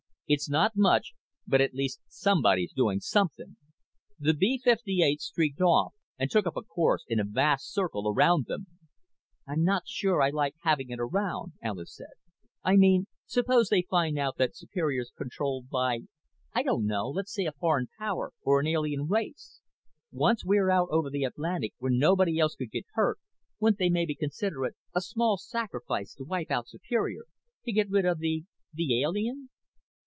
"It's not much, but at least somebody's doing something." The B 58 streaked off and took up a course in a vast circle around them. "I'm not so sure I like having it around," Alis said. "I mean suppose they find out that Superior's controlled by I don't know let's say a foreign power, or an alien race. Once we're out over the Atlantic where nobody else could get hurt, wouldn't they maybe consider it a small sacrifice to wipe out Superior to get rid of the the alien?"